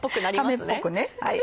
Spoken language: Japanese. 亀っぽくね。